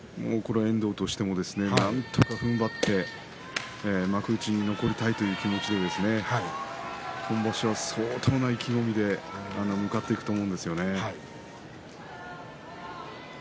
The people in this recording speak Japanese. なんとかふんばって幕内に残りたいという気持ちで今場所、相当な意気込みで向かっていくと思うんですよね。